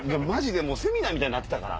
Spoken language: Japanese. セミナーみたいになってたから。